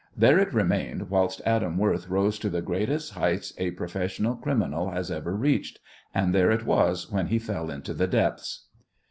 There it remained whilst Adam Worth rose to the greatest heights a professional criminal has ever reached, and there it was when he fell into the depths.